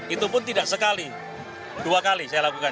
itu pun tidak sekali dua kali saya lakukan